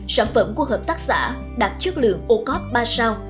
sản phẩm của hợp tác xã đạt chất lượng o cop ba sao